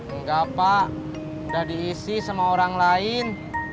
enggak pak udah diisi sama orang lain